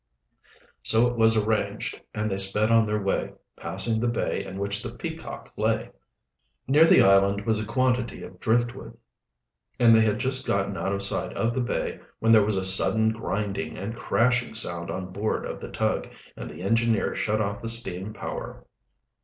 So it was arranged, and they sped on their way, passing the bay in which the Peacock lay. Near the island was a quantity of driftwood, and they had just gotten out of sight of the bay when there was a sudden grinding and crashing sound on board of the tug, and the engineer shut off the steam power.